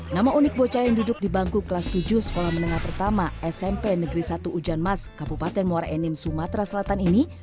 nama unik bocah yang duduk di bangku kelas tujuh sekolah menengah pertama smp negeri satu ujanmas kabupaten muara enim sumatera selatan ini